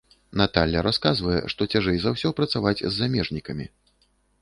Наталля расказвае, што цяжэй за ўсе працаваць з замежнікамі.